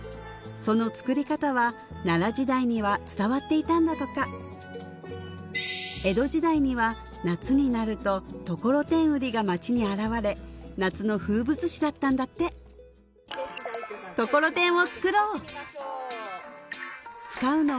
その作り方は奈良時代には伝わっていたんだとか江戸時代には夏になるとところてん売りが町に現れ夏の風物詩だったんだってところてんを作ろう！